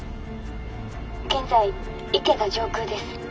「現在池田上空です」。